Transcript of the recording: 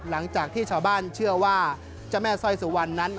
หลังจากที่ชาวบ้านเชื่อว่าเจ้าแม่สร้อยสุวรรณนั้น